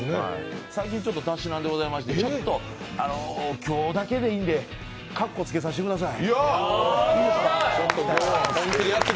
最近ちょっとたしなんでございまして、今日だけでいいんで、かっこつけさせてください。